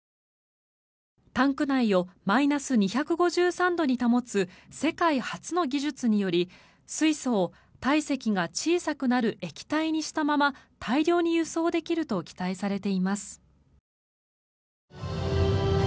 タンク内をマイナス２５３度に保つ世界初の技術により水素を体積が小さくなる液体にしたまま大量に輸送できると期待されています。